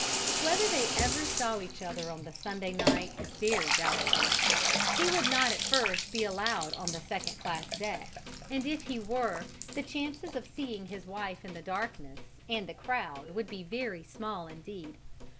Whether they ever saw each other on the Sunday night is very doubtful: he would not at first be allowed on the second class deck, and if he were, the chances of seeing his wife in the darkness and the crowd would be very small, indeed.